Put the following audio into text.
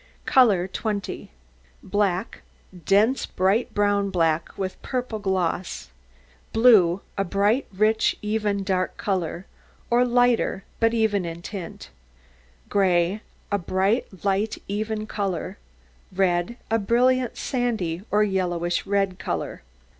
COLOUR 20 Black, dense, bright brown black, with purple gloss; blue, a bright, rich, even dark colour, or lighter, but even in tint; gray, a bright, light, even colour; red, a brilliant, sandy, or yellowish red colour.